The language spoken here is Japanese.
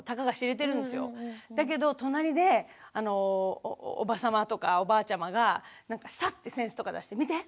だけど隣でおば様とかおばあちゃまがサッて扇子とか出して「見て！」